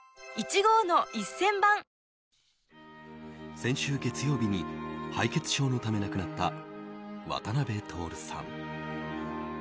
先週月曜日に敗血症のため亡くなった渡辺徹さん。